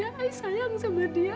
aku sayang sama dia